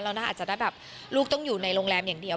น่าจะได้แบบลูกต้องอยู่ในโรงแรมอย่างเดียว